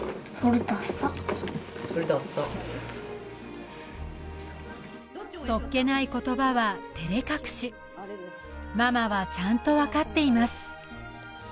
それダッサそっけない言葉は照れ隠しママはちゃんと分かっています